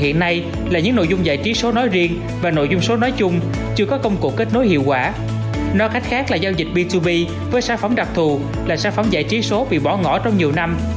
mà đại dụng giải trí số bị bỏ ngỏ trong nhiều năm